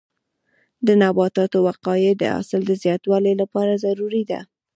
د نباتو وقایه د حاصل د زیاتوالي لپاره ضروري ده.